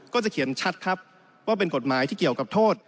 ก็จะเขียนชัดครับว่าเป็นกฎหมายที่เกี่ยวกับโทษ